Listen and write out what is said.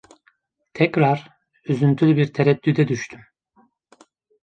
Tekrar üzüntülü bir tereddüde düştüm.